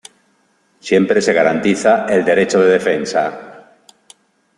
Siempre se garantiza el derecho de defensa.